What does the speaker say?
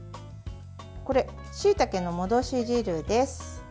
しいたけの戻し汁です。